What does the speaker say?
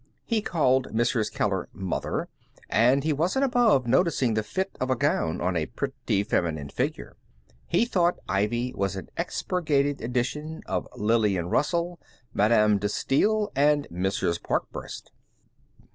He called Mrs. Keller "Mother," and he wasn't above noticing the fit of a gown on a pretty feminine figure. He thought Ivy was an expurgated edition of Lillian Russell, Madame De Stael, and Mrs. Pankburst.